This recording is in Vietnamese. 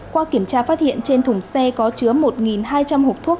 qua kiểm tra phát hiện trên thùng xe có chứa một hai trăm linh hộp thuốc